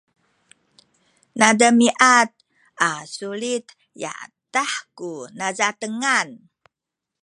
nademiad a sulit yadah ku nazatengan